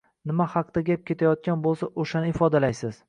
nima haqida gap ketayotgan bo‘lsa, o‘shani ifodalaysiz.